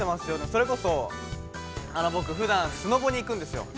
それこそ、僕ふだんスノボに行くんですよ。